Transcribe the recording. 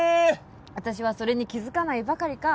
私はそれに気付かないばかりか。